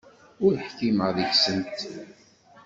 Ur ḥkimeɣ deg-sent.